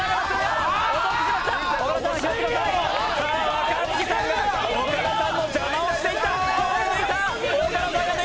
若槻さんが岡田さんの邪魔をしながら。